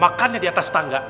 makannya di atas tangga